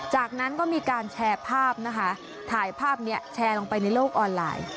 หากนั้นก็มีการแชร์ภาพแชร์ออกไปในโลกออนไลน์